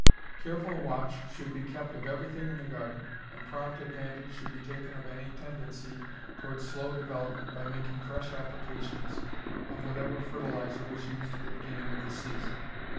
Careful watch should be kept of everything in the garden, and prompt advantage should be taken of any tendency toward slow development by making fresh applications of whatever fertilizer was used at the beginning of the season.